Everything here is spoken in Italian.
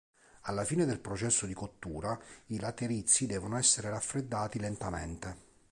Alla fine del processo di cottura i laterizi devono essere raffreddati lentamente.